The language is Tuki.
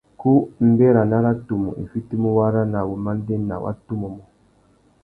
Ku mbérana râ tumu i fitimú wara na wumandēna wa tumu mô.